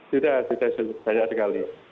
sudah sudah banyak sekali